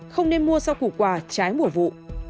không nên mua rau củ quả trái mùa vụ